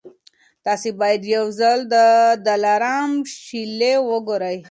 تاسي باید یو ځل د دلارام شېلې وګورئ.